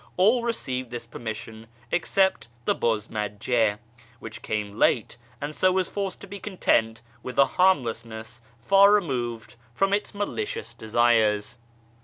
All received this permission, except the Buz majje, which came late, and so was forced to be content with a harmlessness far removed from its malicious desires.